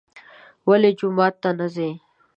ولې جومات ته نه ځي.